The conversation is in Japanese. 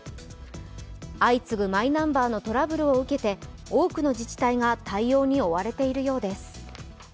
相次ぐマイナンバーのトラブルを受けて多くの自治体が対応に追われているようです。